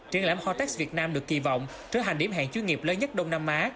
triển lãm hotex việt nam được kỳ vọng trở thành điểm hẹn chuyên nghiệp lớn nhất đông nam á